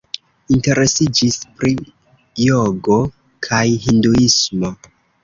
Interesiĝis pri jogo kaj hinduismo.